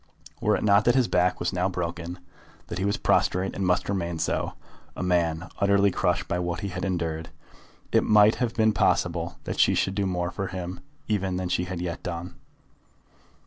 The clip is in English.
Were it not that his back was now broken, that he was prostrate and must remain so, a man utterly crushed by what he had endured, it might have been possible that she should do more for him even than she yet had done.